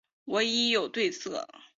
我已经有对策